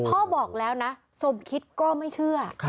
บอกแล้วนะสมคิดก็ไม่เชื่อ